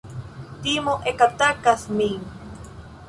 Timo ekatakas min.